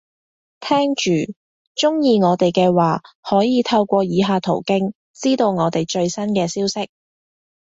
聽住，鍾意我哋嘅話，可以透過以下途徑，知道我哋最新嘅消息